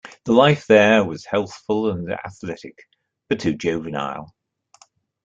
The life there was healthful and athletic, but too juvenile.